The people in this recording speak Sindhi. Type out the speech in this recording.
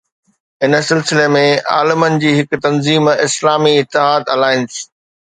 ان سلسلي ۾ عالمن جي هڪ تنظيم ”اسلامي اتحاد الائنس“